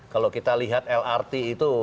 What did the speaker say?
kalau kita lihat lrt itu